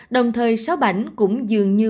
đồng thời sáu bảnh cũng dường như